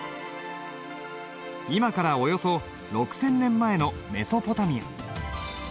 今からおよそ６，０００年前のメソポタミア。